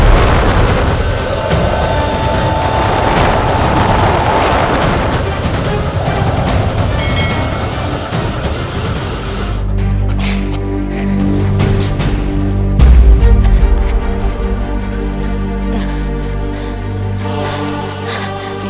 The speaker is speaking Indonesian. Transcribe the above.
aku harus gerak sana